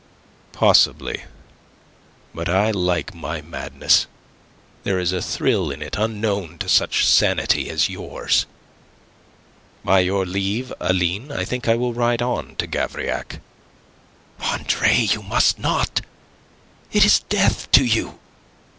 "Possibly. But I like my madness. There is a thrill in it unknown to such sanity as yours. By your leave, Aline, I think I will ride on to Gavrillac." "Andre, you must not! It is death to you!"